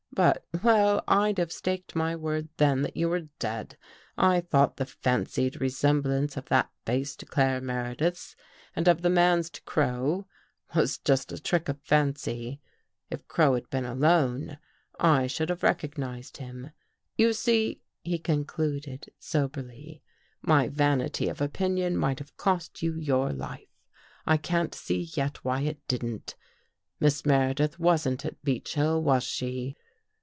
But — well. I'd have staked my word then that you were dead. I thought the fancied resem blance of that girl's face to Claire Meredith's and of the man's to Crow was just a trick of fancy. If Crow had been alone, I should have recognized him. You see," he concluded soberly, " my vanity of opinion might have cost you your life. I can't see yet why it didn't. Miss Meredith wasn't at Beech Hill, was she?